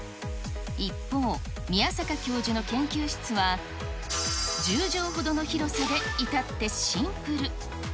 一方、宮坂教授の研究室は、１０畳ほどの広さで至ってシンプル。